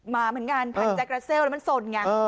มาเหมือนงานทางเจกราเซลแล้วมันส่วน